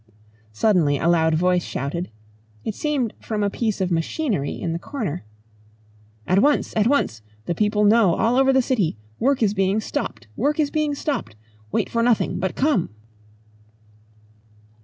Suddenly a loud voice shouted it seemed from a piece of machinery in the corner "At once at once. The people know all over the city. Work is being stopped. Work is being stopped. Wait for nothing, but come."